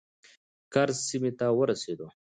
کرز سیمې ته ورسېدو.